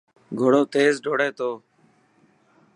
گهوڙو تيل ڊروڙي تو.